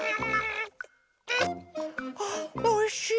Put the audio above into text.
あおいしい。